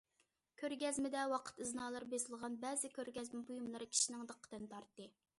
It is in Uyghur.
كۆرگەزمىدە، ۋاقىت ئىزنالىرى بېسىلغان بەزى كۆرگەزمە بۇيۇملىرى كىشىنىڭ دىققىتىنى تارتتى.